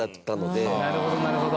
柴田：なるほど、なるほど。